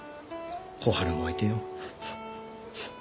小春も置いてよ。